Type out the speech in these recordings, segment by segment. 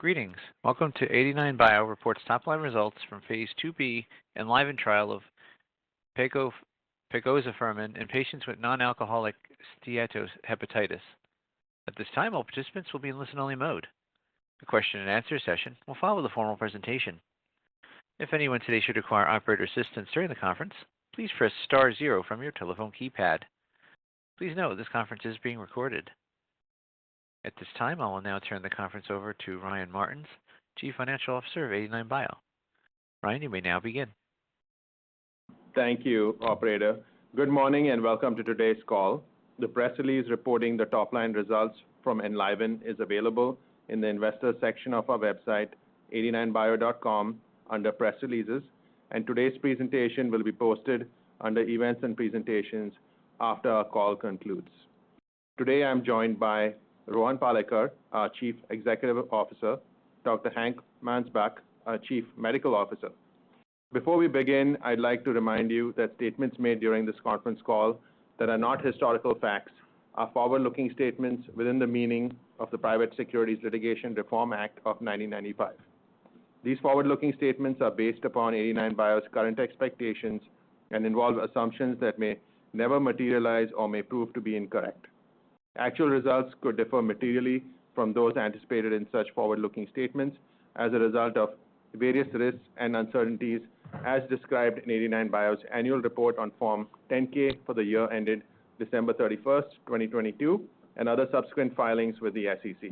Greetings. Welcome to 89bio reports top line results from phase IIb ENLIVEN trial of Pegozafermin in patients with non-alcoholic steatohepatitis. At this time, all participants will be in listen only mode. The question and answer session will follow the formal presentation. If anyone today should require operator assistance during the conference, please press star zero from your telephone keypad. Please note this conference is being recorded. At this time, I will now turn the conference over to Ryan Martins, Chief Financial Officer of 89bio. Ryan, you may now begin. Thank you, operator. Good morning. Welcome to today's call. The press release reporting the top-line results from ENLIVEN is available in the investor section of our website, 89bio.com, under Press Releases. Today's presentation will be posted under Events and Presentations after our call concludes. Today I'm joined by Rohan Palekar, our Chief Executive Officer, Dr. Hank Mansbach, our Chief Medical Officer. Before we begin, I'd like to remind you that statements made during this conference call that are not historical facts are forward-looking statements within the meaning of the Private Securities Litigation Reform Act of 1995. These forward-looking statements are based upon 89bio's current expectations and involve assumptions that may never materialize or may prove to be incorrect. Actual results could differ materially from those anticipated in such forward-looking statements as a result of various risks and uncertainties as described in 89bio's annual report on Form 10-K for the year ended December 31st, 2022, and other subsequent filings with the SEC.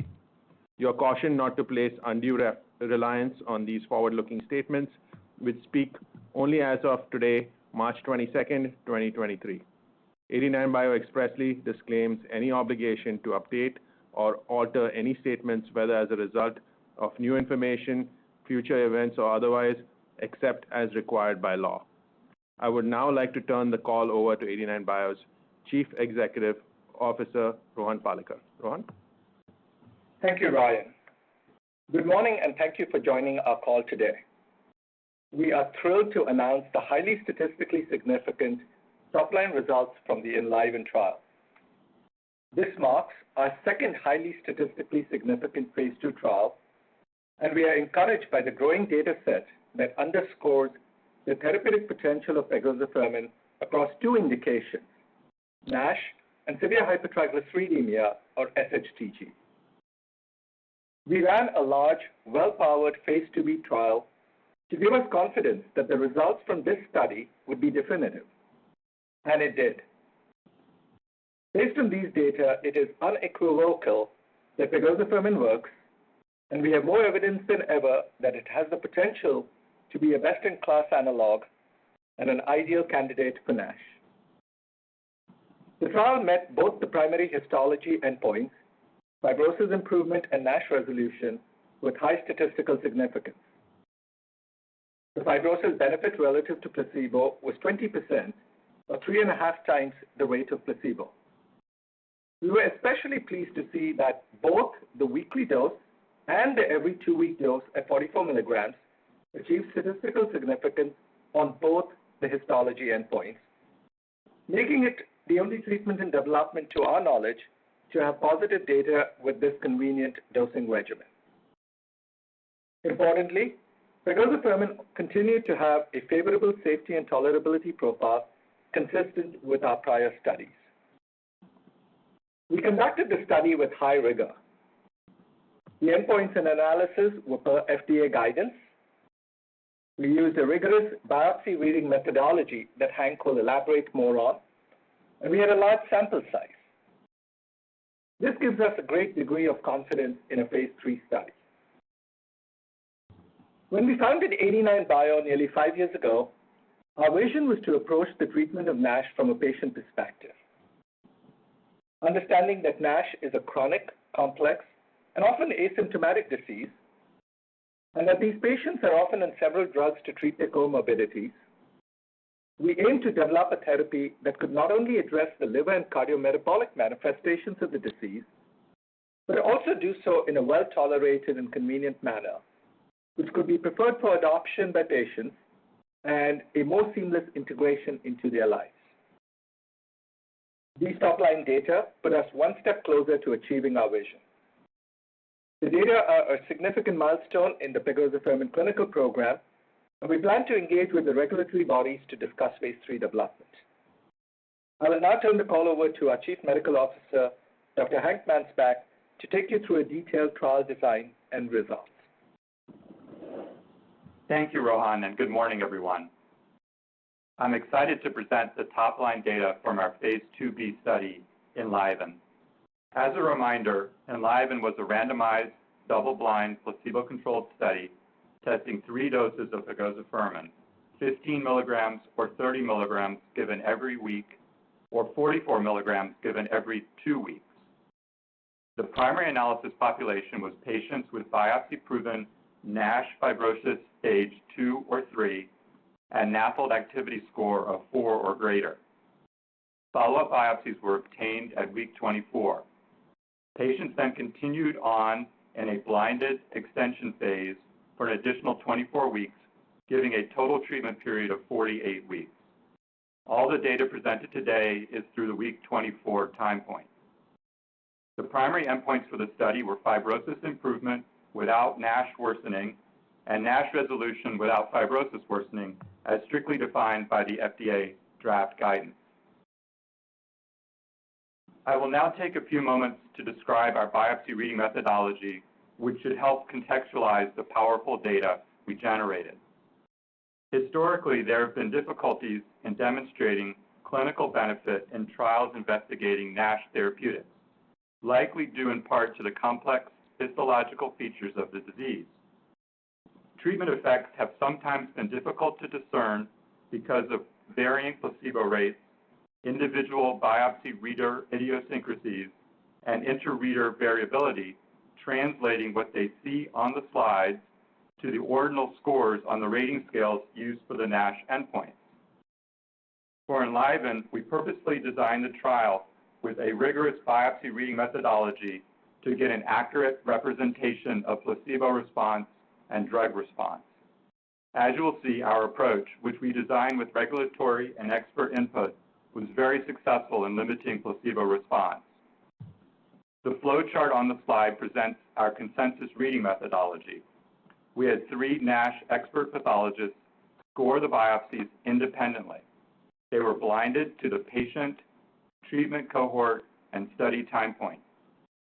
You are cautioned not to place undue reliance on these forward-looking statements, which speak only as of today, March 22nd, 2023. 89bio expressly disclaims any obligation to update or alter any statements, whether as a result of new information, future events, or otherwise, except as required by law. I would now like to turn the call over to 89bio's Chief Executive Officer, Rohan Palekar. Rohan? Thank you, Ryan. Good morning, and thank you for joining our call today. We are thrilled to announce the highly statistically significant top-line results from the ENLIVEN trial. This marks our second highly statistically significant phase II trial, and we are encouraged by the growing data set that underscores the therapeutic potential of Pegozafermin across two indications, NASH and severe hypertriglyceridemia, or SHTG. We ran a large, well-powered phase IIb trial to give us confidence that the results from this study would be definitive, and it did. Based on these data, it is unequivocal that Pegozafermin works, and we have more evidence than ever that it has the potential to be a best-in-class analog and an ideal candidate for NASH. The trial met both the primary histology endpoints, fibrosis improvement and NASH resolution, with high statistical significance. The fibrosis benefit relative to placebo was 20% or 3.5x the rate of placebo. We were especially pleased to see that both the weekly dose and the every two-week dose at 44 milligrams achieved statistical significance on both the histology endpoints, making it the only treatment in development to our knowledge to have positive data with this convenient dosing regimen. Importantly, Pegozafermin continued to have a favorable safety and tolerability profile consistent with our prior studies. We conducted the study with high rigor. The endpoints and analysis were per FDA guidance. We used a rigorous biopsy reading methodology that Hank will elaborate more on, and we had a large sample size. This gives us a great degree of confidence in a phase III study. When we founded 89bio nearly five years ago, our vision was to approach the treatment of NASH from a patient perspective. Understanding that NASH is a chronic, complex, and often asymptomatic disease, and that these patients are often on several drugs to treat their comorbidities, we aim to develop a therapy that could not only address the liver and cardiometabolic manifestations of the disease, but also do so in a well-tolerated and convenient manner, which could be preferred for adoption by patients and a more seamless integration into their lives. These top-line data put us one step closer to achieving our vision. The data are a significant milestone in the Pegozafermin clinical program. We plan to engage with the regulatory bodies to discuss phase III development. I will now turn the call over to our Chief Medical Officer, Dr. Hank Mansbach, to take you through a detailed trial design and results. Thank you, Rohan, good morning, everyone. I'm excited to present the top-line data from our phase IIb study ENLIVEN. As a reminder, ENLIVEN was a randomized, double-blind, placebo-controlled study testing three doses of Pegozafermin, 15 milligrams or 30 milligrams given every week or 44 milligrams given every two weeks. The primary analysis population was patients with biopsy-proven NASH fibrosis stage two or three and NAFLD Activity Score of four or greater. Follow-up biopsies were obtained at week 24. Patients then continued on in a blinded extension phase for an additional 24 weeks, giving a total treatment period of 48 weeks. All the data presented today is through the week 24 time point. The primary endpoints for the study were fibrosis improvement without NASH worsening and NASH resolution without fibrosis worsening, as strictly defined by the FDA draft guidance. I will now take a few moments to describe our biopsy reading methodology, which should help contextualize the powerful data we generated. Historically, there have been difficulties in demonstrating clinical benefit in trials investigating NASH therapeutics, likely due in part to the complex physiological features of the disease. Treatment effects have sometimes been difficult to discern because of varying placebo rates, individual biopsy reader idiosyncrasies, and inter-reader variability, translating what they see on the slide to the ordinal scores on the rating scales used for the NASH endpoint. For ENLIVEN, we purposely designed the trial with a rigorous biopsy reading methodology to get an accurate representation of placebo response and drug response. As you will see, our approach, which we designed with regulatory and expert input, was very successful in limiting placebo response. The flowchart on the slide presents our consensus reading methodology. We had three NASH expert pathologists score the biopsies independently. They were blinded to the patient, treatment cohort, and study time point.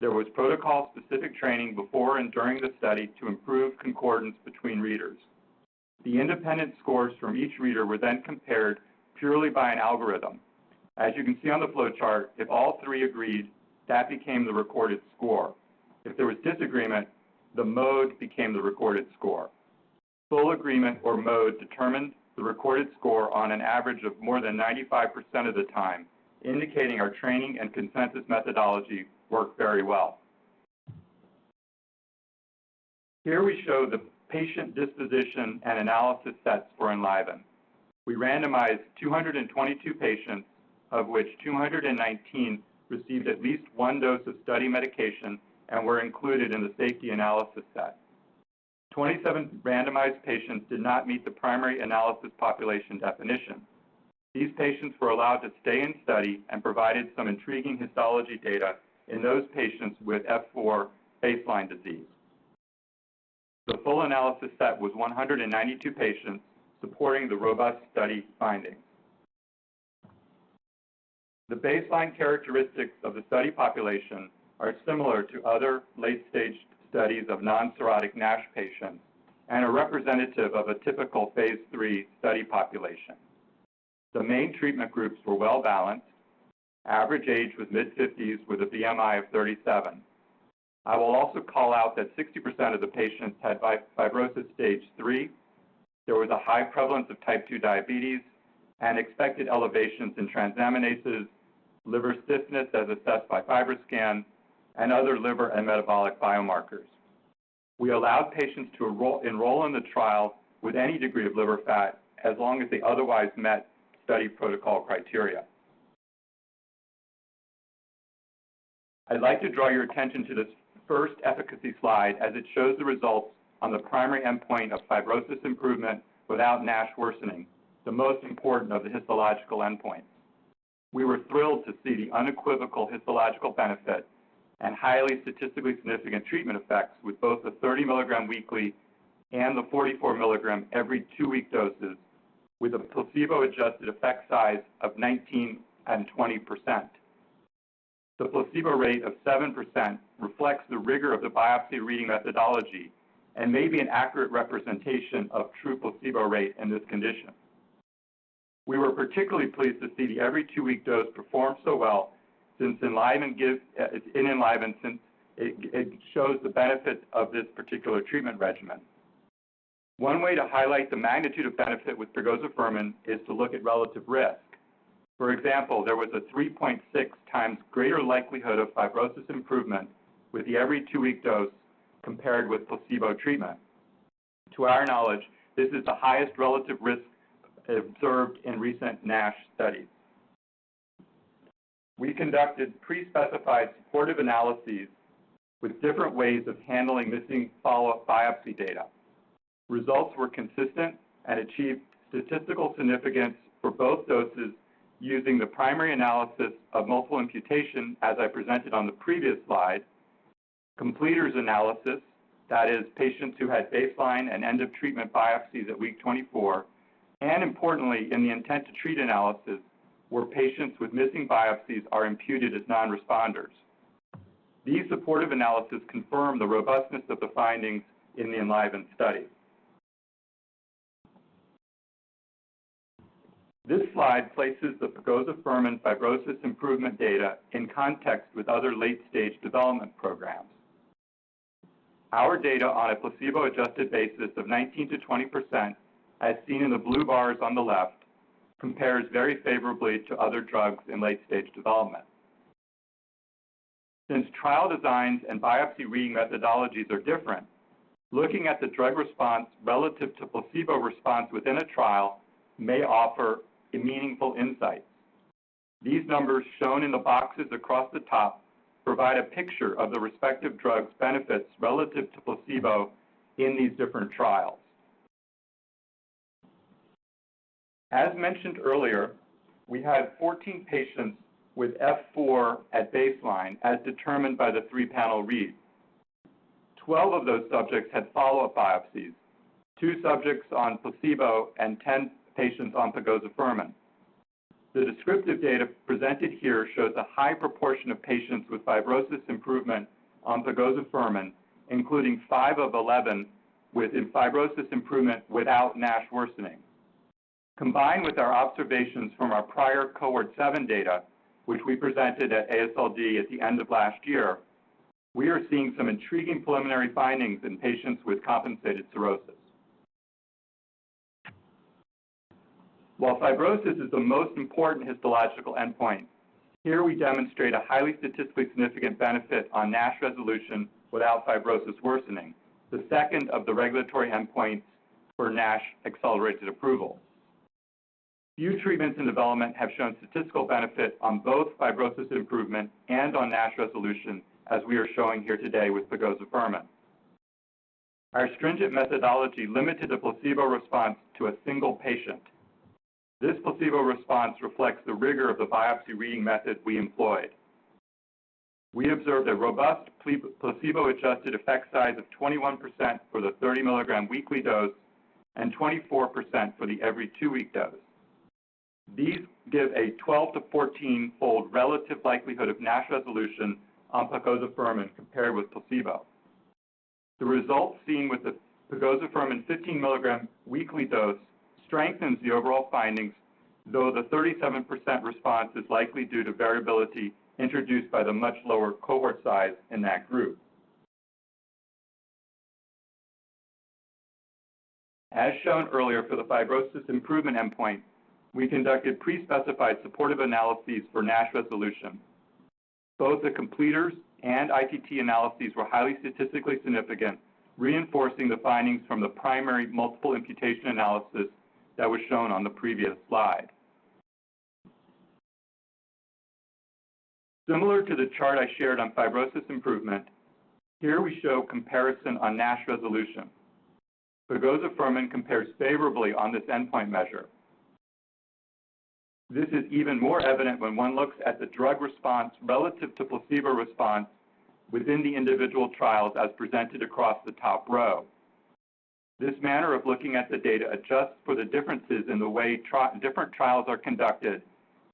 There was protocol-specific training before and during the study to improve concordance between readers. The independent scores from each reader were compared purely by an algorithm. As you can see on the flowchart, if all three agreed, that became the recorded score. If there was disagreement, the mode became the recorded score. Full agreement or mode determined the recorded score on an average of more than 95% of the time, indicating our training and consensus methodology worked very well. Here we show the patient disposition and analysis sets for ENLIVEN. We randomized 222 patients, of which 219 received at least one dose of study medication and were included in the safety analysis set. 27 randomized patients did not meet the primary analysis population definition. These patients were allowed to stay in study and provided some intriguing histology data in those patients with F4 baseline disease. The full analysis set was 192 patients supporting the robust study findings. The baseline characteristics of the study population are similar to other late-stage studies of non-cirrhotic NASH patients and are representative of a typical phase III study population. The main treatment groups were well balanced. Average age was mid-fifties with a BMI of 37. I will also call out that 60% of the patients had fibrosis stage three. There was a high prevalence of type two diabetes and expected elevations in transaminases, liver stiffness as assessed by FibroScan, and other liver and metabolic biomarkers. We allowed patients to enroll in the trial with any degree of liver fat as long as they otherwise met study protocol criteria. I'd like to draw your attention to this first efficacy slide as it shows the results on the primary endpoint of fibrosis improvement without NASH worsening, the most important of the histological endpoints. We were thrilled to see the unequivocal histological benefit and highly statistically significant treatment effects with both the 30 mg weekly and the 44 mg every two-week doses with a placebo-adjusted effect size of 19% and 20%. The placebo rate of 7% reflects the rigor of the biopsy reading methodology and may be an accurate representation of true placebo rate in this condition. We were particularly pleased to see the every two-week dose perform so well in ENLIVEN, since it shows the benefits of this particular treatment regimen. One way to highlight the magnitude of benefit with Pegozafermin is to look at relative risk. For example, there was a 3.6x greater likelihood of fibrosis improvement with the every two-week dose compared with placebo treatment. To our knowledge, this is the highest relative risk observed in recent NASH studies. We conducted pre-specified supportive analyses with different ways of handling missing follow-up biopsy data. Results were consistent and achieved statistical significance for both doses using the primary analysis of multiple imputation as I presented on the previous slide, completers analysis, that is patients who had baseline and end of treatment biopsies at week 24, and importantly, in the intent to treat analysis where patients with missing biopsies are imputed as non-responders. These supportive analysis confirm the robustness of the findings in the ENLIVEN study. This slide places the Pegozafermin fibrosis improvement data in context with other late-stage development programs. Our data on a placebo-adjusted basis of 19%-20%, as seen in the blue bars on the left, compares very favorably to other drugs in late-stage development. Since trial designs and biopsy reading methodologies are different, looking at the drug response relative to placebo response within a trial may offer a meaningful insight. These numbers shown in the boxes across the top provide a picture of the respective drug's benefits relative to placebo in these different trials. As mentioned earlier, we had 14 patients with F4 at baseline as determined by the three-panel read. 12 of those subjects had follow-up biopsies, two subjects on placebo and 10 patients on Pegozafermin. The descriptive data presented here shows a high proportion of patients with fibrosis improvement on Pegozafermin, including five of 11 with fibrosis improvement without NASH worsening. Combined with our observations from our prior cohort seven data, which we presented at AASLD at the end of last year, we are seeing some intriguing preliminary findings in patients with compensated cirrhosis. While fibrosis is the most important histological endpoint, here we demonstrate a highly statistically significant benefit on NASH resolution without fibrosis worsening, the second of the regulatory endpoints for NASH accelerated approval. Few treatments in development have shown statistical benefit on both fibrosis improvement and on NASH resolution, as we are showing here today with Pegozafermin. Our stringent methodology limited the placebo response to a single patient. This placebo response reflects the rigor of the biopsy reading method we employed. We observed a robust placebo-adjusted effect size of 21% for the 30 mg weekly dose and 24% for the every two-week dose. These give a 12- to 14-fold relative likelihood of NASH resolution on Pegozafermin compared with placebo. The results seen with the Pegozafermin 15 milligram weekly dose strengthens the overall findings, though the 37% response is likely due to variability introduced by the much lower cohort size in that group. As shown earlier for the fibrosis improvement endpoint, we conducted pre-specified supportive analyses for NASH resolution. Both the completers and ITT analyses were highly statistically significant, reinforcing the findings from the primary multiple imputation analysis that was shown on the previous slide. Similar to the chart I shared on fibrosis improvement, here we show comparison on NASH resolution. Pegozafermin compares favorably on this endpoint measure. This is even more evident when one looks at the drug response relative to placebo response within the individual trials as presented across the top row. This manner of looking at the data adjusts for the differences in the way different trials are conducted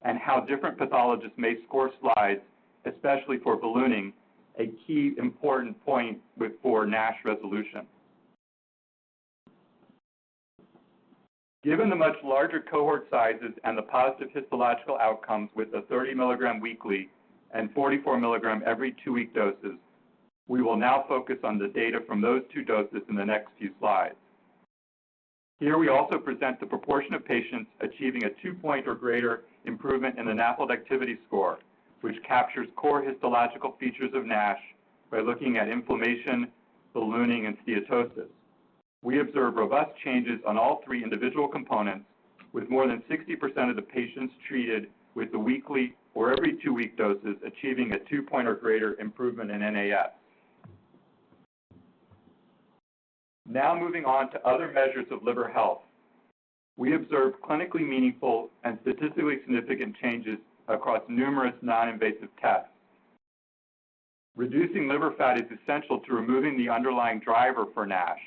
and how different pathologists may score slides, especially for ballooning, a key important point for NASH resolution. Given the much larger cohort sizes and the positive histological outcomes with the 30 milligram weekly and 44 milligram every two-week doses, we will now focus on the data from those two doses in the next few slides. Here we also present the proportion of patients achieving a two-point or greater improvement in the NAFLD activity score, which captures core histological features of NASH by looking at inflammation, ballooning and steatosis. We observe robust changes on all three individual components with more than 60% of the patients treated with the weekly or every two-week doses achieving a two-point or greater improvement in NAF. Now moving on to other measures of liver health. We observed clinically meaningful and statistically significant changes across numerous non-invasive tests. Reducing liver fat is essential to removing the underlying driver for NASH.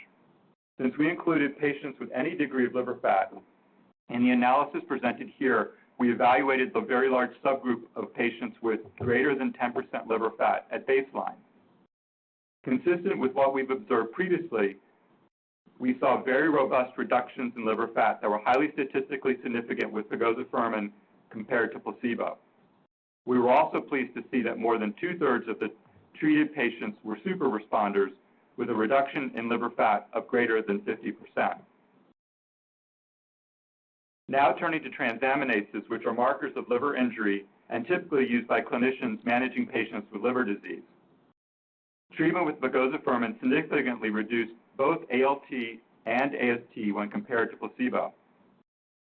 Since we included patients with any degree of liver fat in the analysis presented here, we evaluated the very large subgroup of patients with greater than 10% liver fat at baseline. Consistent with what we've observed previously, we saw very robust reductions in liver fat that were highly statistically significant with Pegozafermin compared to placebo. We were also pleased to see that more than 2/3 of the treated patients were super responders with a reduction in liver fat of greater than 50%. Now turning to transaminases, which are markers of liver injury and typically used by clinicians managing patients with liver disease. Treatment with Pegozafermin significantly reduced both ALT and AST when compared to placebo.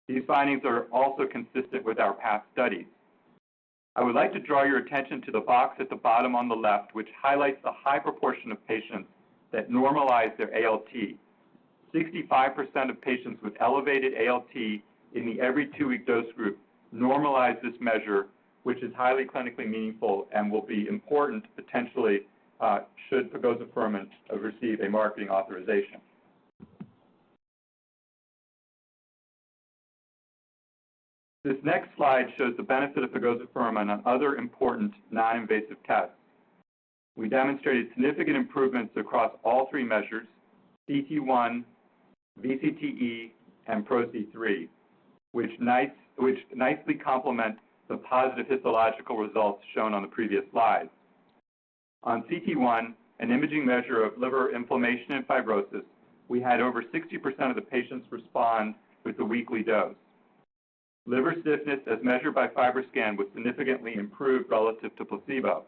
These findings are also consistent with our past studies. I would like to draw your attention to the box at the bottom on the left, which highlights the high proportion of patients that normalized their ALT. 65% of patients with elevated ALT in the every two-week dose group normalized this measure, which is highly clinically meaningful and will be important potentially, should Pegozafermin receive a marketing authorization. This next slide shows the benefit of Pegozafermin on other important non-invasive tests. We demonstrated significant improvements across all three measures, cT1, VCTE, and PRO-C3, which nicely complement the positive histological results shown on the previous slide. On cT1, an imaging measure of liver inflammation and fibrosis, we had over 60% of the patients respond with the weekly dose. Liver stiffness as measured by FibroScan was significantly improved relative to placebo.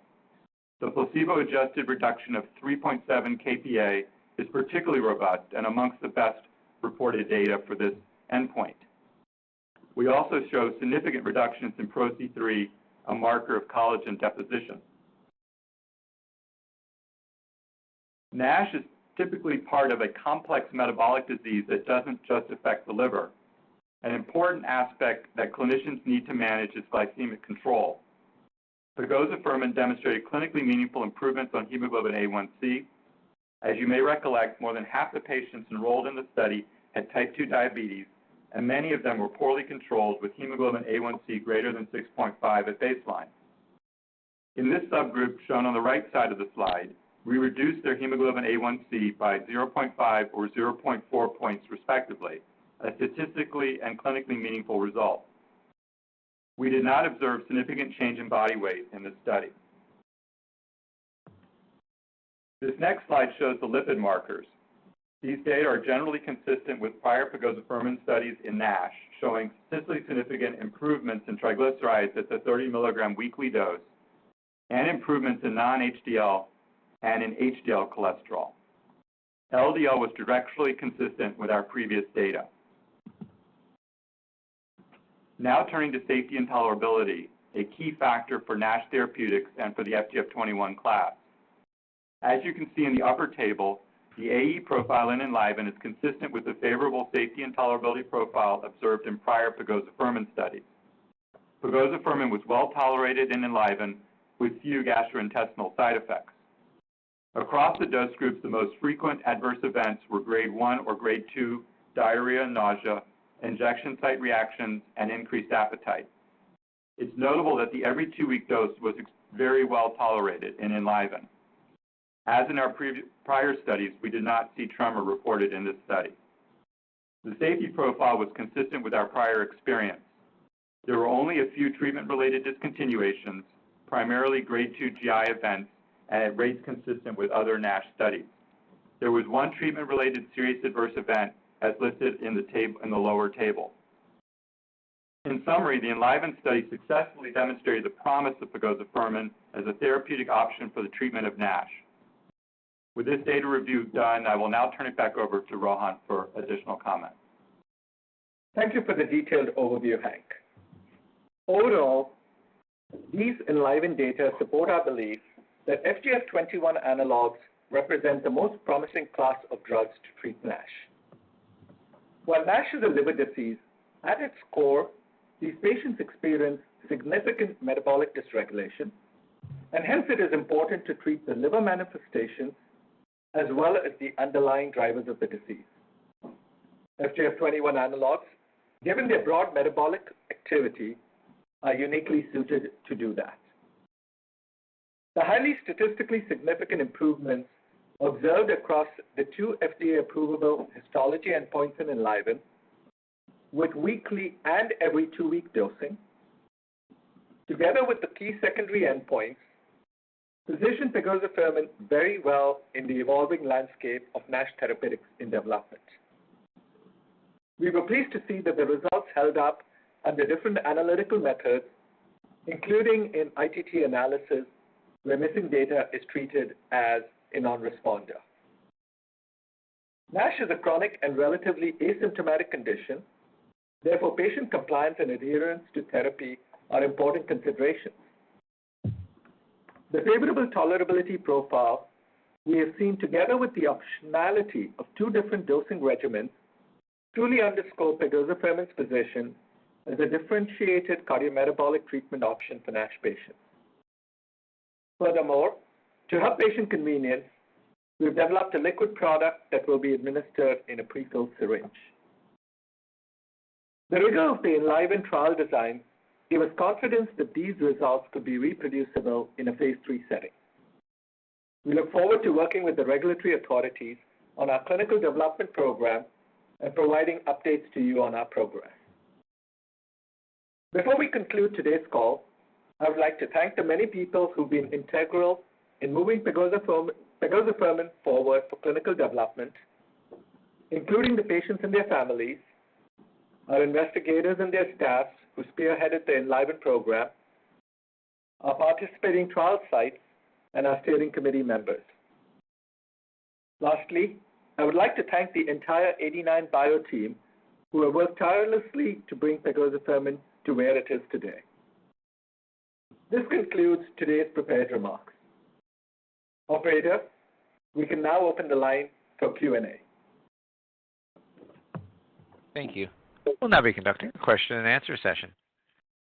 The placebo-adjusted reduction of 3.7 kPa is particularly robust and amongst the best reported data for this endpoint. We also show significant reductions in PRO-C3, a marker of collagen deposition. NASH is typically part of a complex metabolic disease that doesn't just affect the liver. An important aspect that clinicians need to manage is glycemic control. Pegozafermin demonstrated clinically meaningful improvements on HbA1c. As you may recollect, more than half the patients enrolled in the study had type two diabetes, and many of them were poorly controlled with HbA1c greater than 6.5 at baseline. In this subgroup shown on the right side of the slide, we reduced their HbA1c by 0.5 or 0.4 points respectively, a statistically and clinically meaningful result. We did not observe significant change in body weight in this study. This next slide shows the lipid markers. These data are generally consistent with prior Pegozafermin studies in NASH, showing statistically significant improvements in triglycerides at the 30 milligram weekly dose and improvements in non-HDL and in HDL cholesterol. LDL was directionally consistent with our previous data. Now turning to safety and tolerability, a key factor for NASH therapeutics and for the FGF21 class. As you can see in the upper table, the AE profile in ENLIVEN is consistent with the favorable safety and tolerability profile observed in prior Pegozafermin studies. Pegozafermin was well-tolerated in ENLIVEN with few gastrointestinal side effects. Across the dose groups, the most frequent adverse events were grade one or grade two diarrhea, nausea, injection site reactions, and increased appetite. It's notable that the every two-week dose was very well-tolerated in ENLIVEN. As in our prior studies, we did not see trauma reported in this study. The safety profile was consistent with our prior experience. There were only a few treatment-related discontinuations, primarily grade two GI events and at rates consistent with other NASH studies. There was one treatment-related serious adverse event as listed in the table, in the lower table. In summary, the ENLIVEN study successfully demonstrated the promise of Pegozafermin as a therapeutic option for the treatment of NASH. With this data review done, I will now turn it back over to Rohan for additional comment. Thank you for the detailed overview, Hank. Overall, these ENLIVEN data support our belief that FGF21 analogs represent the most promising class of drugs to treat NASH. While NASH is a liver disease, at its core, these patients experience significant metabolic dysregulation, and hence it is important to treat the liver manifestation as well as the underlying drivers of the disease. FGF21 analogs, given their broad metabolic activity, are uniquely suited to do that. The highly statistically significant improvements observed across the two FDA-approvable histology endpoints in ENLIVEN with weekly and every two-week dosing, together with the key secondary endpoints, position Pegozafermin very well in the evolving landscape of NASH therapeutics in development. We were pleased to see that the results held up under different analytical methods, including in ITT analysis, where missing data is treated as a non-responder. NASH is a chronic and relatively asymptomatic condition. Patient compliance and adherence to therapy are important considerations. The favorable tolerability profile we have seen together with the optionality of two different dosing regimens truly underscore Pegozafermin's position as a differentiated cardiometabolic treatment option for NASH patients. Furthermore, to help patient convenience, we've developed a liquid product that will be administered in a pre-filled syringe. The results of the ENLIVEN trial design give us confidence that these results could be reproducible in a phase III setting. We look forward to working with the regulatory authorities on our clinical development program and providing updates to you on our progress. Before we conclude today's call, I would like to thank the many people who've been integral in moving Pegozafermin forward for clinical development, including the patients and their families, our investigators and their staffs who spearheaded the ENLIVEN program, our participating trial sites, and our steering committee members. Lastly, I would like to thank the entire 89bio team who have worked tirelessly to bring Pegozafermin to where it is today. This concludes today's prepared remarks. Operator, we can now open the line for Q&A. Thank you. We'll now be conducting a question and answer session.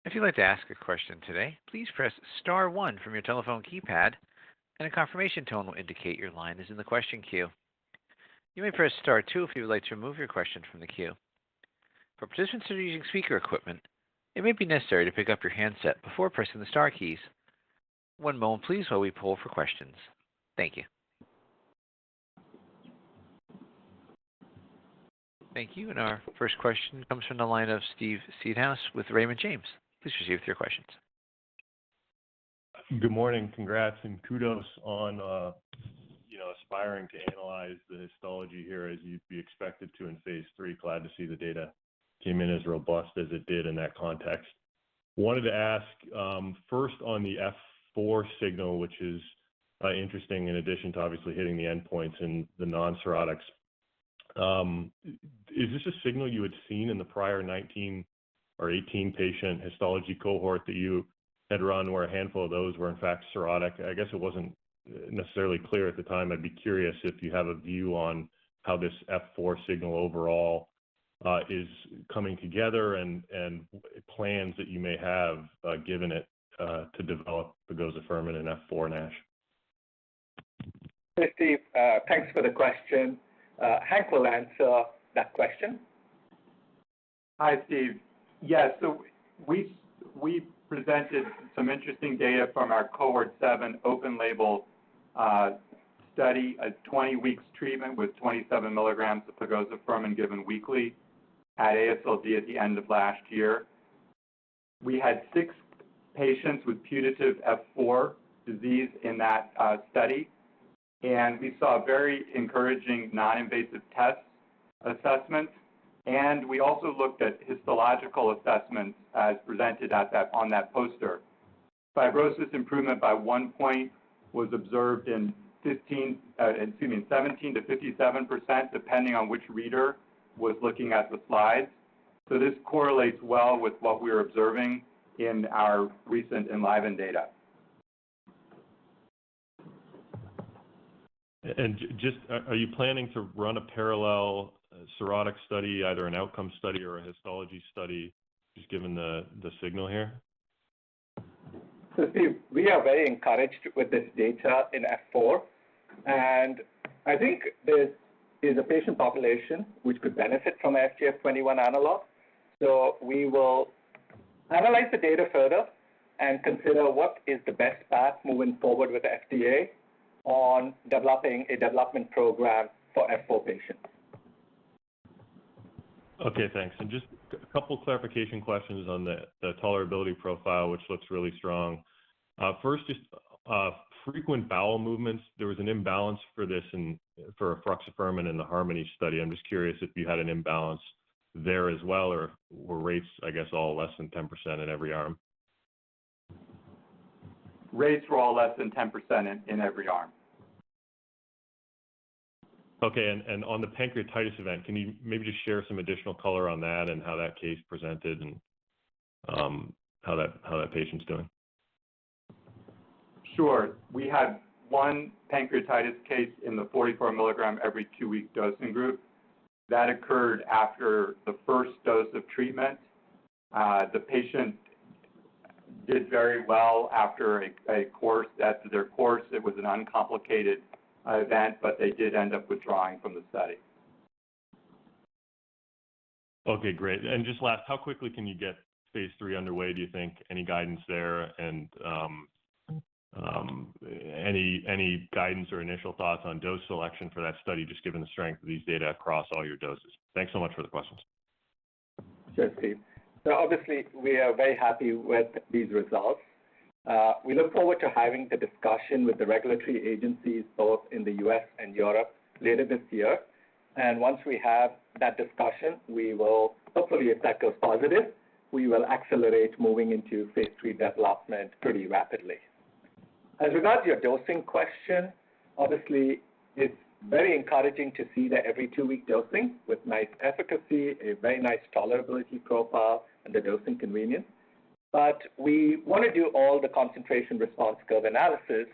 If you'd like to ask a question today, please press star one from your telephone keypad and a confirmation tone will indicate your line is in the question queue. You may press star two if you would like to remove your question from the queue. For participants that are using speaker equipment, it may be necessary to pick up your handset before pressing the star keys. One moment please while we poll for questions. Thank you. Thank you. Our first question comes from the line of Steve Seedhouse with Raymond James. Please proceed with your questions. Good morning. Congrats and kudos on. Aspiring to analyze the histology here as you'd be expected to in phase III. Glad to see the data came in as robust as it did in that context. Wanted to ask, first on the F4 signal, which is interesting in addition to obviously hitting the endpoints in the non-cirrhotics. Is this a signal you had seen in the prior 19 or 18-patient histology cohort that you had run where a handful of those were in fact cirrhotic? I guess it wasn't necessarily clear at the time. I'd be curious if you have a view on how this F4 signal overall is coming together and plans that you may have given it to develop pegunlase alfa in F4 NASH. Steve, thanks for the question. Hank will answer that question. Hi, Steve. Yes. We presented some interesting data from our cohort seven open label study, a 20 weeks treatment with 27 milligrams of Pegozafermin given weekly at AASLD at the end of last year. We had six patients with putative F4 disease in that study, and we saw a very encouraging non-invasive test assessment and we also looked at histological assessments as presented on that poster. Fibrosis improvement by one point was observed in 15, excuse me, 17%-57%, depending on which reader was looking at the slides. This correlates well with what we're observing in our recent ENLIVEN data. Just are you planning to run a parallel cirrhotic study, either an outcome study or a histology study, just given the signal here? Steve, we are very encouraged with this data in F4 and I think this is a patient population which could benefit from FGF21 analog. We will analyze the data further and consider what is the best path moving forward with the FDA on developing a development program for F4 patients. Okay, thanks. Just a couple clarification questions on the tolerability profile, which looks really strong. First, just frequent bowel movements, there was an imbalance for this in, for efruxifermin in the HARMONY study. I'm just curious if you had an imbalance there as well, or were rates, I guess, all less than 10% in every arm? Rates were all less than 10% in every arm. Okay. On the pancreatitis event, can you maybe just share some additional color on that and how that case presented and how that patient's doing? Sure. We had one pancreatitis case in the 44 milligram every two week dosing group. That occurred after the first dose of treatment. The patient did very well after their course. It was an uncomplicated event, but they did end up withdrawing from the study. Okay, great. Just last, how quickly can you get phase three underway, do you think? Any guidance there? Any guidance or initial thoughts on dose selection for that study just given the strength of these data across all your doses? Thanks so much for the questions. Sure, Steve. Obviously, we are very happy with these results. We look forward to having the discussion with the regulatory agencies both in the U.S. and Europe later this year. Once we have that discussion, we will hopefully, if that goes positive, we will accelerate moving into phase III development pretty rapidly. As regards your dosing question, obviously it's very encouraging to see that every two-week dosing with nice efficacy, a very nice tolerability profile and the dosing convenience. We wanna do all the concentration response curve analysis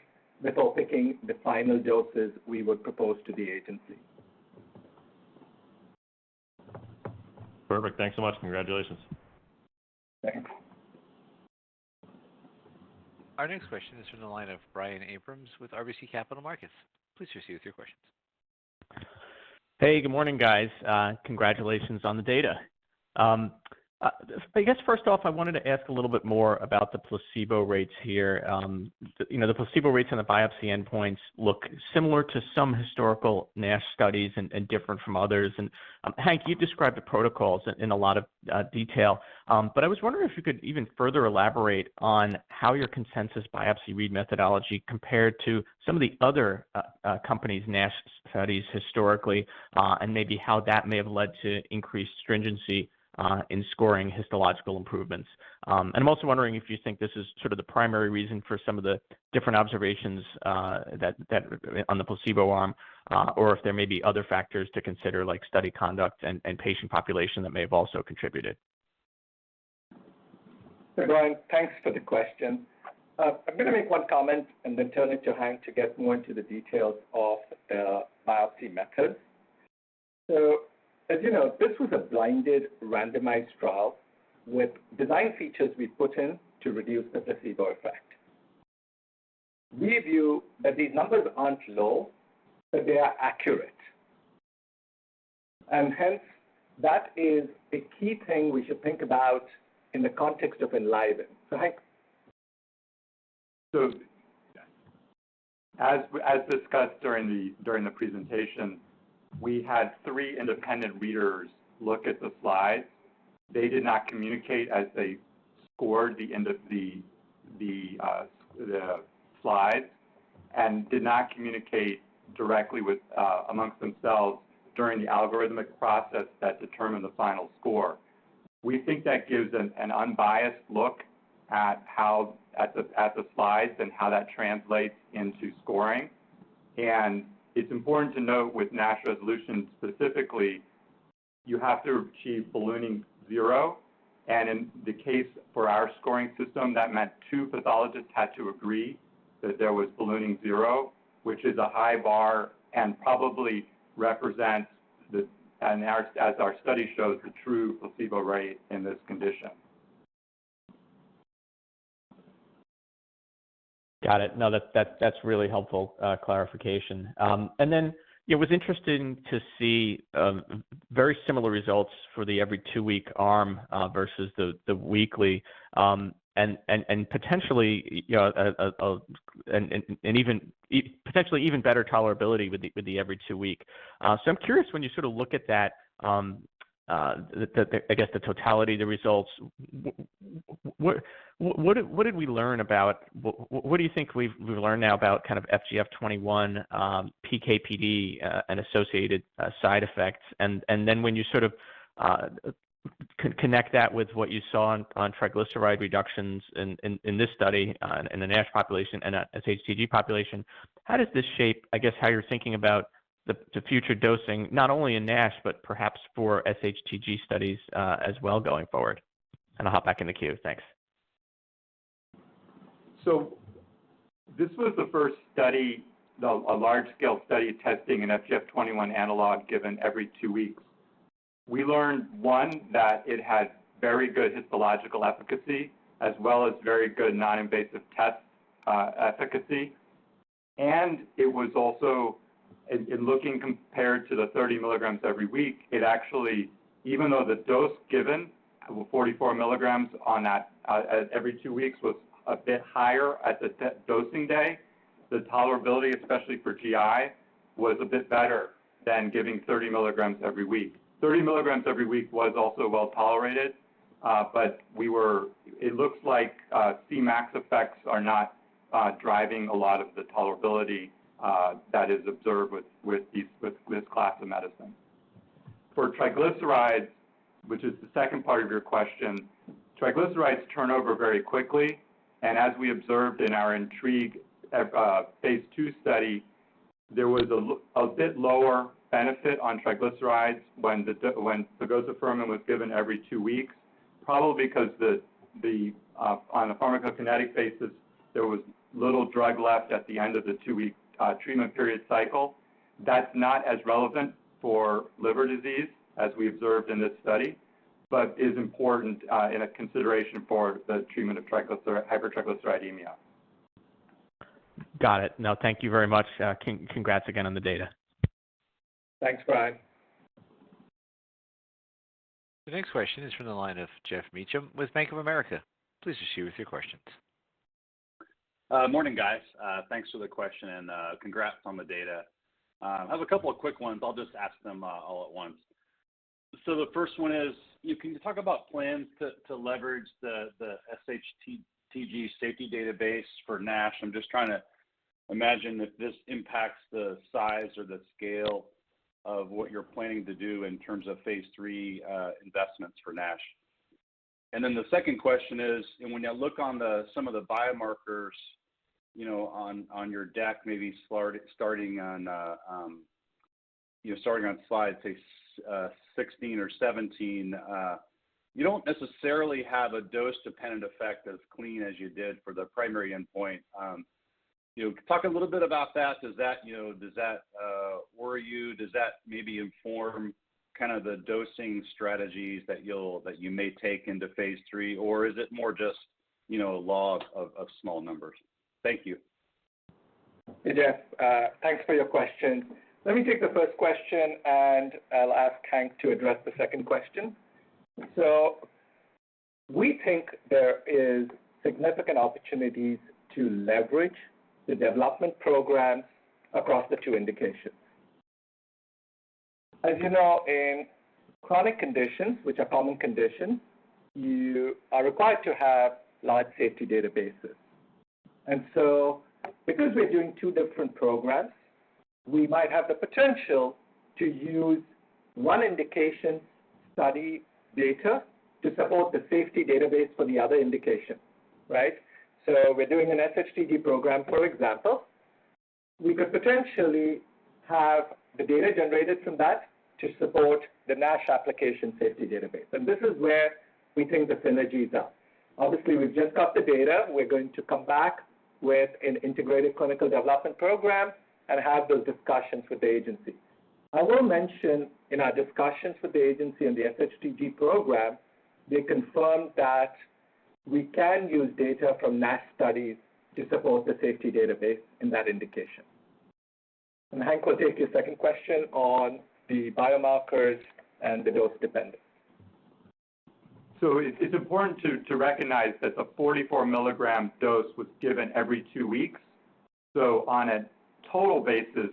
before picking the final doses we would propose to the agency. Perfect. Thanks so much. Congratulations. Thanks. Our next question is from the line of Brian Abrahams with RBC Capital Markets. Please proceed with your questions. Hey, good morning, guys. Congratulations on the data. I guess first off, I wanted to ask a little bit more about the placebo rates here. You know, the placebo rates and the biopsy endpoints look similar to some historical NASH studies and different from others. Hank, you described the protocols in a lot of detail. I was wondering if you could even further elaborate on how your consensus biopsy read methodology compared to some of the other companies NASH studies historically, and maybe how that may have led to increased stringency in scoring histological improvements. I'm also wondering if you think this is sort of the primary reason for some of the different observations that on the placebo arm, or if there may be other factors to consider like study conduct and patient population that may have also contributed? Brian, thanks for the question. I'm gonna make one comment and then turn it to Hank to get more into the details of the biopsy methods. As you know, this was a blinded randomized trial with design features we put in to reduce the placebo effect. We view that these numbers aren't low, but they are accurate and hence that is a key thing we should think about in the context of ENLIVEN. Hank? As discussed during the presentation, we had three independent readers look at the slides. They did not communicate as they scored the end of the slides and did not communicate directly with amongst themselves during the algorithmic process that determined the final score. We think that gives an unbiased look at how at the slides and how that translates into scoring. It's important to note with NASH resolution specifically, you have to achieve ballooning zero, and in the case for our scoring system, that meant two pathologists had to agree that there was ballooning zero, which is a high bar and probably represents the, as our study shows, the true placebo rate in this condition. Got it. No, that's really helpful clarification. It was interesting to see very similar results for the every two-week arm versus the weekly, and potentially, you know, and even potentially even better tolerability with the every two week. I'm curious when you sort of look at that, I guess, the totality of the results, what did we learn about? What do you think we've learned now about kind of FGF21 PK/PD and associated side effects? And then when you sort of connect that with what you saw on triglyceride reductions in this study, in the NASH population and SHTG population, how does this shape, I guess, how you're thinking about the future dosing not only in NASH but perhaps for SHTG studies as well going forward? I'll hop back in the queue. Thanks. This was the first study, a large-scale study testing an FGF21 analog given every two weeks. We learned, one, that it had very good histological efficacy as well as very good non-invasive test efficacy. It was also looking compared to the 30 milligrams every week, it actually, even though the dose given, 44 milligrams on a every two weeks, was a bit higher at the dosing day, the tolerability, especially for GI, was a bit better than giving 30 milligrams every week. 30 milligrams every week was also well-tolerated. It looks like Cmax effects are not driving a lot of the tolerability that is observed with this class of medicine. For triglycerides, which is the second part of your question, triglycerides turn over very quickly. As we observed in our ENTRIGUE phase II study, there was a bit lower benefit on triglycerides when Pegozafermin was given every two weeks, probably because the on a pharmacokinetic basis, there was little drug left at the end of the two-week treatment period cycle. That's not as relevant for liver disease as we observed in this study but is important in a consideration for the treatment of hypertriglyceridemia. Got it. No, thank you very much. congrats again on the data. Thanks, Brian. The next question is from the line of Geoff Meacham with Bank of America. Please proceed with your questions. Morning, guys. Thanks for the question, and congrats on the data. I have a couple of quick ones. I'll just ask them all at once. The first one is, can you talk about plans to leverage the SHTG safety database for NASH? I'm just trying to imagine if this impacts the size or the scale of what you're planning to do in terms of phase III investments for NASH. The second question is, when you look on some of the biomarkers, you know, on your deck, maybe starting on, you know, starting on slide say, 16 or 17, you don't necessarily have a dose-dependent effect as clean as you did for the primary endpoint. You know, talk a little bit about that. Does that, you know, worry you? Does that maybe inform kind of the dosing strategies that you may take into phase III? Is it more just, you know, log of small numbers? Thank you. Hey, Geoff, thanks for your question. Let me take the first question, and I'll ask Hank to address the second question. We think there is significant opportunities to leverage the development programs across the two indications. As you know, in chronic conditions, which are common conditions, you are required to have live safety databases. Because we're doing two different programs, we might have the potential to use one indication study data to support the safety database for the other indication, right? We're doing an SHTG program, for example. We could potentially have the data generated from that to support the NASH application safety database, and this is where we think the synergies are. Obviously, we've just got the data. We're going to come back with an integrated clinical development program and have those discussions with the agency. I will mention in our discussions with the agency and the SHTG program, they confirmed that we can use data from NASH studies to support the safety database in that indication. Hank will take your second question on the biomarkers and the dose-dependent. It's important to recognize that the 44 milligram dose was given every two weeks. On a total basis,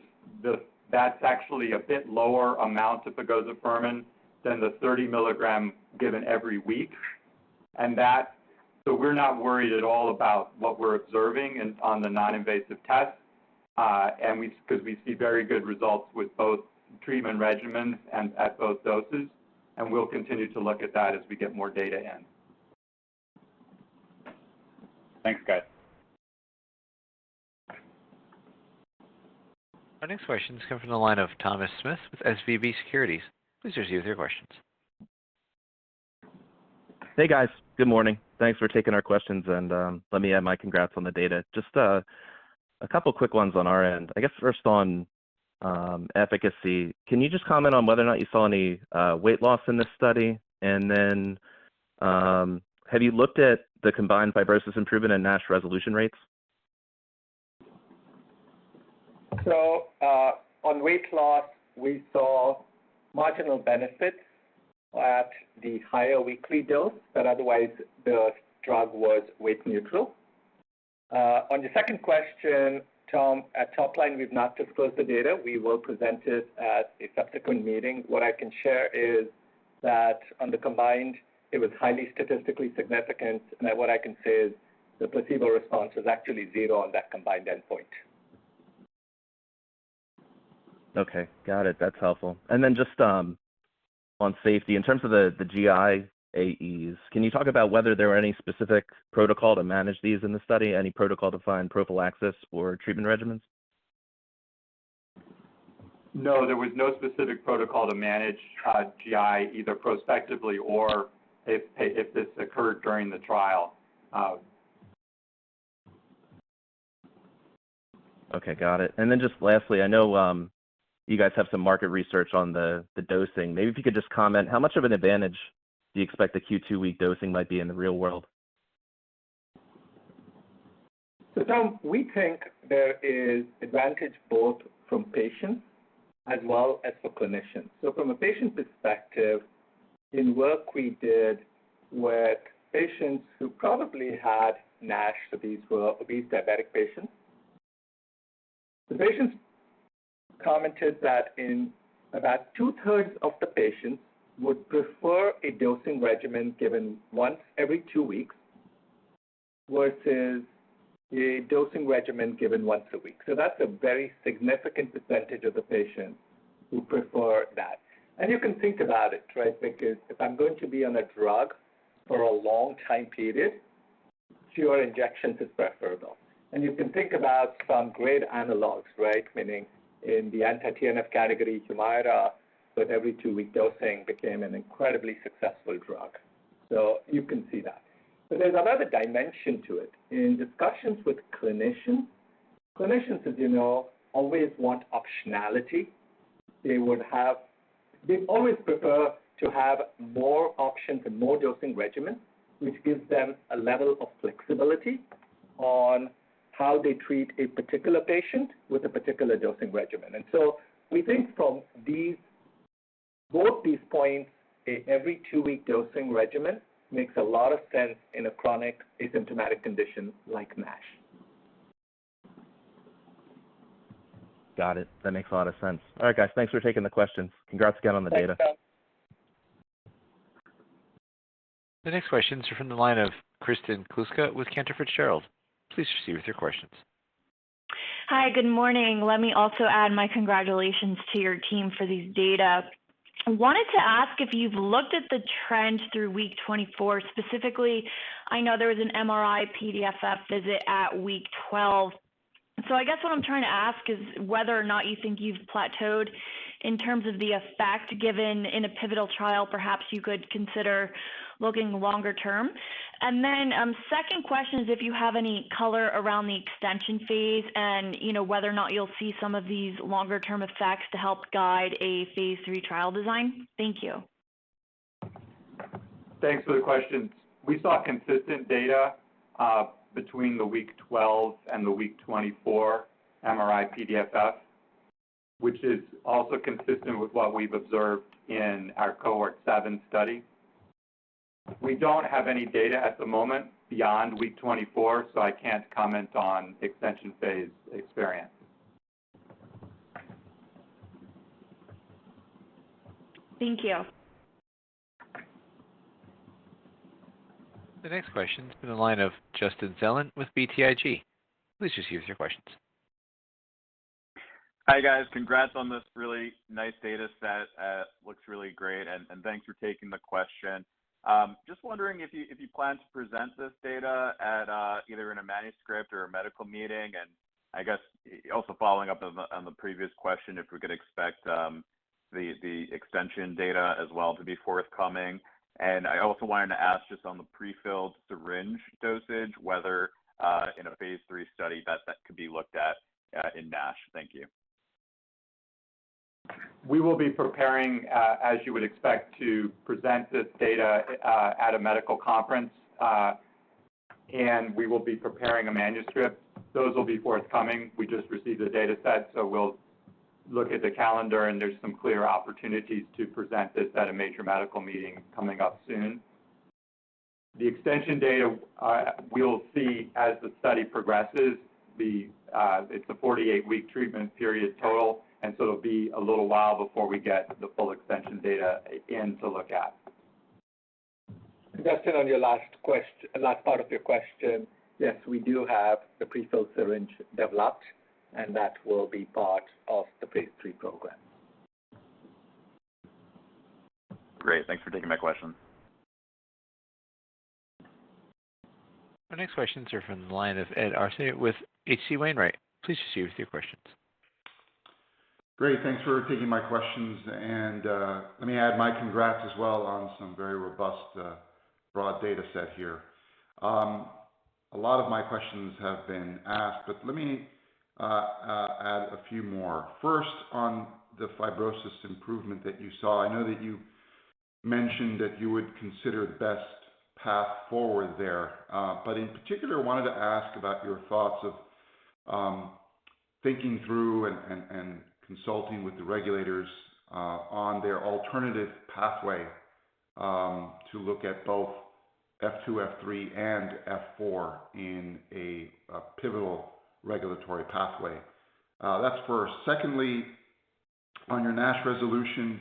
that's actually a bit lower amount of Pegozafermin than the 30 milligram given every week. We're not worried at all about what we're observing in, on the non-invasive test, 'cause we see very good results with both treatment regimens and at both doses, and we'll continue to look at that as we get more data in. Thanks, guys. Our next question's coming from the line of Thomas Smith with SVB Securities. Please proceed with your questions. Hey, guys. Good morning. Thanks for taking our questions, and let me add my congrats on the data. Just a couple quick ones on our end. I guess first on efficacy, can you just comment on whether or not you saw any weight loss in this study? Have you looked at the combined fibrosis improvement and NASH resolution rates? On weight loss, we saw marginal benefit at the higher weekly dose, but otherwise the drug was weight neutral. On your second question, Tom, at top line, we've not disclosed the data. We will present it at a subsequent meeting. What I can share is that on the combined it was highly statistically significant, and what I can say is the placebo response was actually zero on that combined endpoint. Okay. Got it. That's helpful. Then just on safety, in terms of the GI AEs, can you talk about whether there were any specific protocol to manage these in the study, any protocol-defined prophylaxis or treatment regimens? No, there was no specific protocol to manage, GI either prospectively or if this occurred during the trial. Okay, got it. Just lastly, I know, you guys have some market research on the dosing. Maybe if you could just comment how much of an advantage do you expect the Q2-week dosing might be in the real world? Tom, we think there is advantage both from patients as well as for clinicians. From a patient perspective, in work we did with patients who probably had NASH, these were obese diabetic patients, the patients commented that in about two-thirds of the patients would prefer a dosing regimen given once every two weeks versus a dosing regimen given once a week. That's a very significant percentage of the patients who prefer that. You can think about it, right? Because if I'm going to be on a drug for a long time period, fewer injections is preferable. You can think about some great analogs, right, meaning in the anti-TNF category, Humira, with every two-week dosing became an incredibly successful drug. You can see that. There's another dimension to it. In discussions with clinicians, as you know, always want optionality. They would have. They always prefer to have more options and more dosing regimens, which gives them a level of flexibility on how they treat a particular patient with a particular dosing regimen. We think from these, both these points, a every-two-week dosing regimen makes a lot of sense in a chronic asymptomatic condition like NASH. Got it. That makes a lot of sense. All right, guys. Thanks for taking the questions. Congrats again on the data. Thanks, Tom. The next questions are from the line of Kristen Kluska with Cantor Fitzgerald. Please proceed with your questions. Hi. Good morning. Let me also add my congratulations to your team for these data. I wanted to ask if you've looked at the trend through week 24. Specifically, I know there was an MRI-PDFF visit at week 12. I guess what I'm trying to ask is whether or not you think you've plateaued in terms of the effect given in a pivotal trial, perhaps you could consider looking longer term. Second question is if you have any color around the extension phase and, you know, whether or not you'll see some of these longer-term effects to help guide a phase III trial design. Thank you. Thanks for the questions. We saw consistent data, between the week 12 and the week 24 MRI-PDFF, which is also consistent with what we've observed in our cohort seven study. We don't have any data at the moment beyond week 24. I can't comment on extension phase experience. Thank you. The next question is from the line of Justin Zelin with BTIG. Please proceed with your questions. Hi, guys. Congrats on this really nice data set. looks really great, and thanks for taking the question. Just wondering if you plan to present this data at either in a manuscript or a medical meeting, and I guess also following up on the previous question, if we could expect the extension data as well to be forthcoming. I also wanted to ask just on the pre-filled syringe dosage, whether in a phase III study that could be looked at in NASH. Thank you. We will be preparing, as you would expect, to present this data at a medical conference. We will be preparing a manuscript. Those will be forthcoming. We just received the data set. We'll look at the calendar. There's some clear opportunities to present this at a major medical meeting coming up soon. The extension data, we'll see as the study progresses. It's a 48-week treatment period total. It'll be a little while before we get the full extension data in to look at. Justin, on your last part of your question, yes, we do have the prefilled syringe developed, and that will be part of the phase III program. Great. Thanks for taking my question. Our next questions are from the line of Ed Arce with H.C. Wainwright. Please proceed with your questions. Great. Thanks for taking my questions. Let me add my congrats as well on some very robust, broad data set here. A lot of my questions have been asked, but let me add a few more. First, on the fibrosis improvement that you saw, I know that you mentioned that you would consider the best path forward there, but in particular, I wanted to ask about your thoughts of thinking through and consulting with the regulators on their alternative pathway to look at both F2, F3, and F4 in a pivotal regulatory pathway. That's first. Secondly, on your NASH resolution,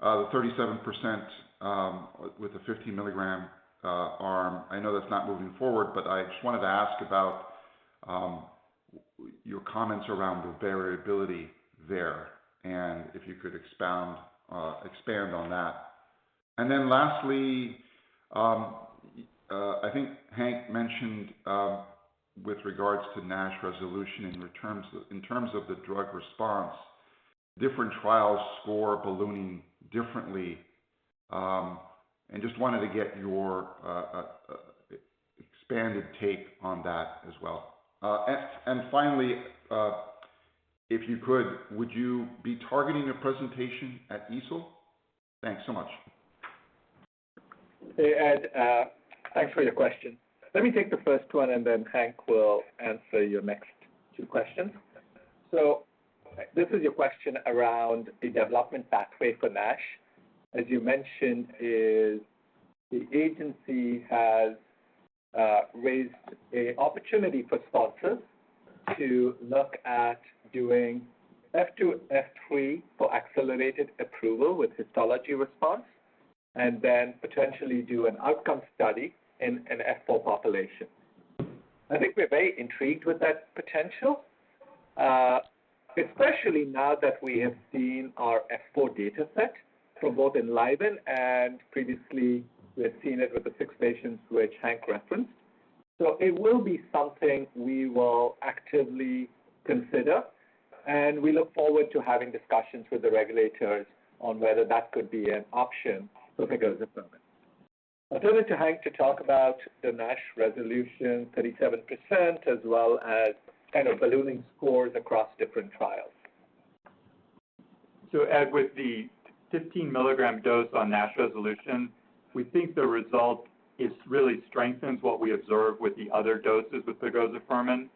the 37% with the 15-milligram arm, I know that's not moving forward, but I just wanted to ask about your comments around the variability there and if you could expand on that. Lastly, I think Hank mentioned with regards to NASH resolution in terms of the drug response, different trials score ballooning differently, and just wanted to get your expanded take on that as well. Finally, if you could, would you be targeting a presentation at EASL? Thanks so much. Hey, Ed, thanks for your question. Let me take the first one. Hank will answer your next two questions. This is your question around the development pathway for NASH. As you mentioned is the agency has raised a opportunity for sponsors to look at doing F2, F3 for accelerated approval with histology response and then potentially do an outcome study in an F4 population. I think we're very intrigued with that potential, especially now that we have seen our F4 data set from both ENLIVEN and previously we have seen it with the six patients which Hank referenced. It will be something we will actively consider, and we look forward to having discussions with the regulators on whether that could be an option for Pegozafermin. I'll turn it to Hank to talk about the NASH resolution 37% as well as kind of ballooning scores across different trials. Ed with the 15-milligram dose on NASH resolution, we think the result is really strengthens what we observe with the other doses with Pegozafermin.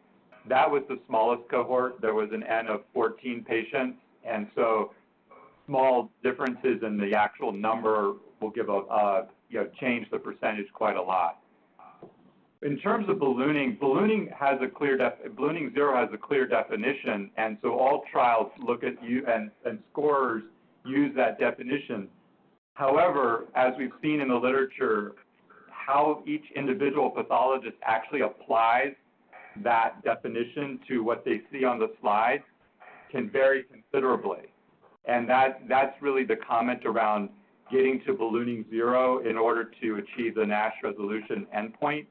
That was the smallest cohort. There was an N of 14 patients. Small differences in the actual number will give a, you know, change the percentage quite a lot. In terms of ballooning, Ballooning zero has a clear definition, and scorers use that definition. However, as we've seen in the literature, how each individual pathologist actually applies that definition to what they see on the slide can vary considerably. That's really the comment around getting to ballooning zero in order to achieve the NASH resolution endpoint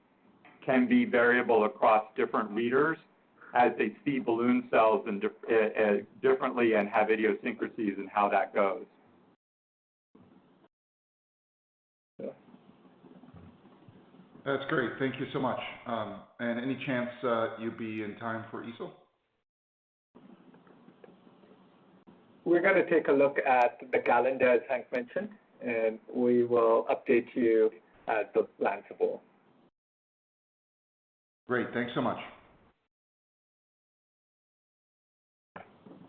can be variable across different readers as they see balloon cells differently and have idiosyncrasies in how that goes. That's great. Thank you so much. Any chance you'd be in time for EASL? We're gonna take a look at the calendar, as Hank mentioned, and we will update you as the plans evolve. Great. Thanks so much.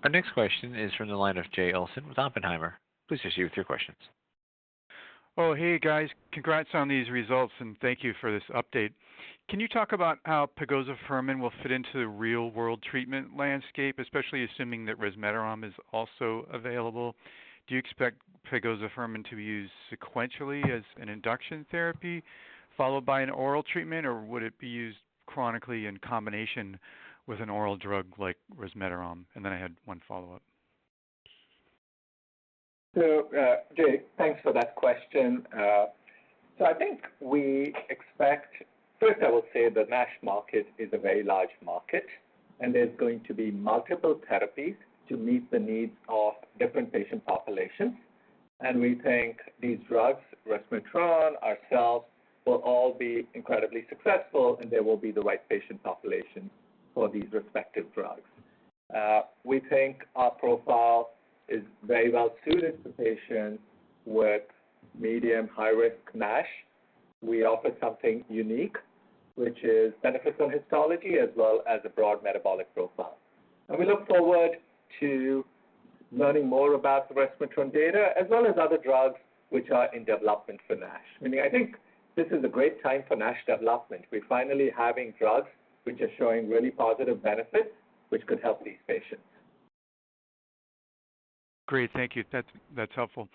Our next question is from the line of Jay Olson with Oppenheimer. Please proceed with your questions. Oh, hey, guys. Congrats on these results, and thank you for this update. Can you talk about how Pegozafermin will fit into the real-world treatment landscape, especially assuming that resmetirom is also available? Do you expect pegIFN to be used sequentially as an induction therapy followed by an oral treatment, or would it be used chronically in combination with an oral drug like resmetirom? I had one follow-up. Jay, thanks for that question. First, I will say the NASH market is a very large market, and there's going to be multiple therapies to meet the needs of different patient populations. We think these drugs, resmetirom, ourselves, will all be incredibly successful, and there will be the right patient population for these respective drugs. We think our profile is very well suited to patients with medium-high risk NASH. We offer something unique, which is benefits on histology as well as a broad metabolic profile. We look forward to learning more about the resmetirom data as well as other drugs which are in development for NASH. Meaning I think this is a great time for NASH development. We're finally having drugs which are showing really positive benefits which could help these patients. Great. Thank you. That's helpful.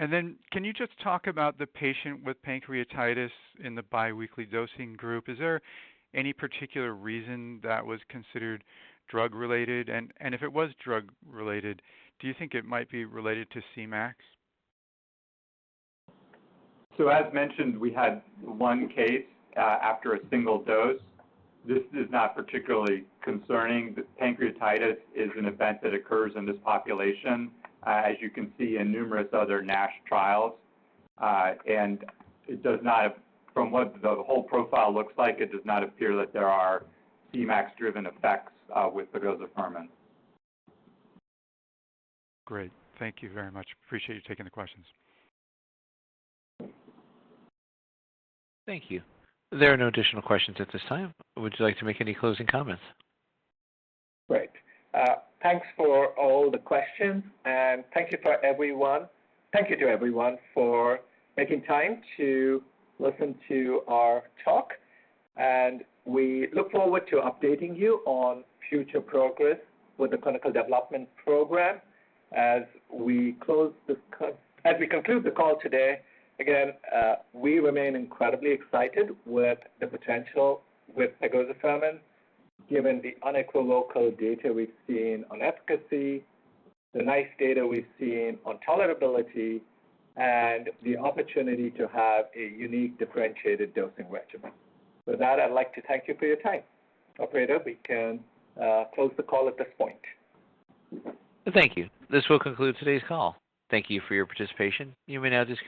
Can you just talk about the patient with pancreatitis in the biweekly dosing group? Is there any particular reason that was considered drug-related? And if it was drug-related, do you think it might be related to Cmax? As mentioned, we had one case after a single dose. This is not particularly concerning. The pancreatitis is an event that occurs in this population, as you can see in numerous other NASH trials. From what the whole profile looks like, it does not appear that there are Cmax-driven effects with Pegozafermin. Great. Thank you very much. Appreciate you taking the questions. Thank you. There are no additional questions at this time. Would you like to make any closing comments? Great. Thanks for all the questions, and thank you for everyone. Thank you to everyone for making time to listen to our talk, and we look forward to updating you on future progress with the clinical development program. As we conclude the call today, again, we remain incredibly excited with the potential with Pegozafermin, given the unequivocal data we've seen on efficacy, the nice data we've seen on tolerability, and the opportunity to have a unique differentiated dosing regimen. With that, I'd like to thank you for your time. Operator, we can close the call at this point. Thank you. This will conclude today's call. Thank you for your participation. You may now disconnect.